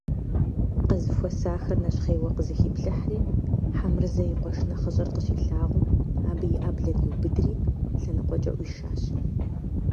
Къызэхуэсахэр нэщхъейуэ къызэхиплъыхьри, Хьэмырзэ и къуэш нэхъыщӀэр къыщилъагъум, абы и Ӏэблэр иубыдри лъэныкъуэкӀэ Ӏуишащ.